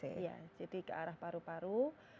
iya jadi ke arah paru paru